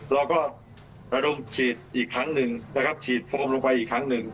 เราก็ระดมฉีดอีกครั้งหนึ่งนะครับฉีดโฟมลงไปอีกครั้งหนึ่ง